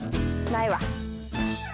ないわ。